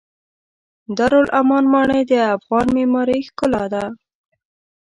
د دارالامان ماڼۍ د افغان معمارۍ ښکلا ده.